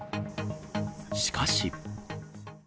しかし。